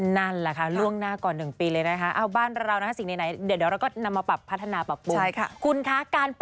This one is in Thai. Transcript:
นั่นแหละค่ะล่วงหน้าก่อน๑ปีเลยนะคะ